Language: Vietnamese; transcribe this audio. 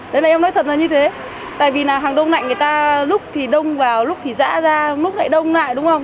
đấy là em nói thật là như thế tại vì là hàng đông lạnh người ta lúc thì đông vào lúc thì rã ra mức lại đông lại đúng không